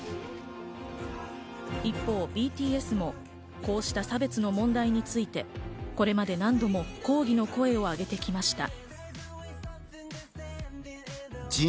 一方、ＢＴＳもこうした差別の問題について、これまで何度も抗議の声をあげてきました。